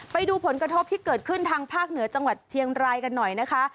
ไปดูผลกระทบที่เกิดขึ้นทางภาคเหนือจังหวัดเชียงรายกันหน่อยนะคะ